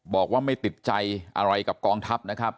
บอกว่าไม่ติดใจอะไรกับกองทัพนะครับ